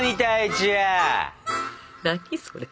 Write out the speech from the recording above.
何それ？